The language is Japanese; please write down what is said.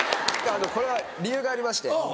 あのこれは理由がありまして。